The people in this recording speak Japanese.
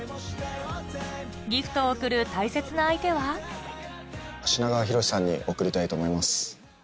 ギフトを贈る大切な相手は品川祐さんに贈りたいと思います。